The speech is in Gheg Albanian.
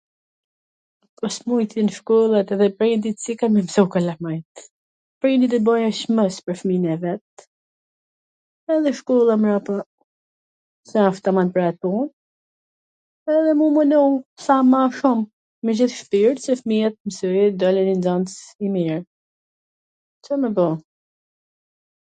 po s mujti n shkoll, ater dhe prindi si ka me i msu kalamajt? Prindi do bwj Cmos pwr fmijn e vet, edhe shkolla mrapa qw asht taman pwr at pun, edhe me mu m'u lodh sa ma shum, me gjith shpirt, si fmija tw msoj edhe tw dal njw nxans i mir. Ca me ba?